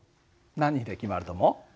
何で決まると思う？